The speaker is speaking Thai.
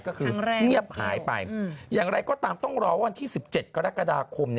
ก็คือเงียบหายไปอย่างไรก็ตามต้องรอวันที่๑๗กรกฎาคม